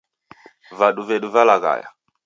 Vadu vedu valaghaya.